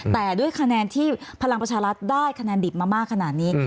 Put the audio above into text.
แต่ด้วยคะแนนที่พลังประชารัฐได้คะแนนดิบมามากขนาดนี้